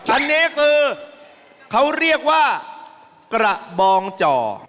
อันนี้คือเขาเรียกว่ากระบองจ่อ